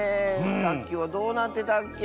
さっきはどうなってたっけ？